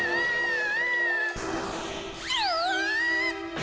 うわ！